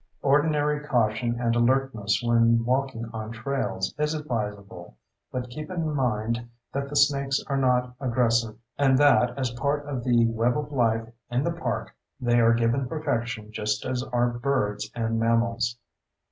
Ordinary caution and alertness when walking on trails is advisable; but keep in mind that the snakes are not aggressive, and that as part of the web of life in the park they are given protection just as are birds and mammals.